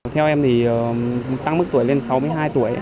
theo em thì tăng mức tuổi lên sáu mươi hai tuổi